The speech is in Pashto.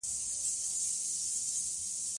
پېیر کوري د تجربې پایله ثبت کړه.